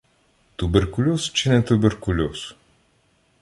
Туберкульоз чи не туберкульоз?